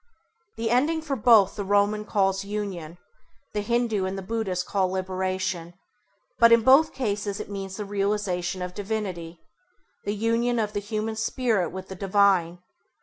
The ending for both the Roman calls Union, the Hindû and the Buddhist call Liberation, but in both cases it means the realisation of Divinity, the union of the human Spirit with the divine.